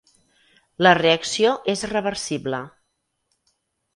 La reacció és reversible.